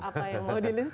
apa yang mau di listed